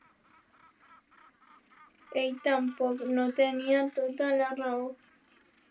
Ell tampoc no tenia tota la raó.